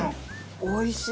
おいしい！